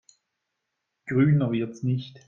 Grüner wird's nicht.